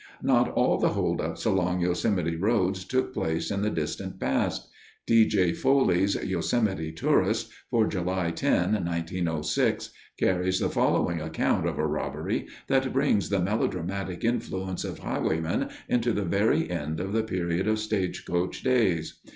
Not all the holdups along Yosemite roads took place in the distant past. D. J. Foley's Yosemite Tourist for July 10, 1906, carries the following account of a robbery that brings the melodramatic influence of highwaymen into the very end of the period of stage coach days.